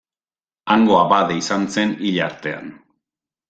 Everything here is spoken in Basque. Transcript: Hango abade izan zen hil artean.